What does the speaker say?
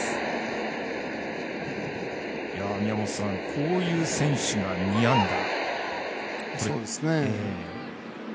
こういう選手が２安打。